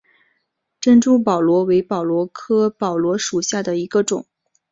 珍珠宝螺为宝螺科宝螺属下的一个种。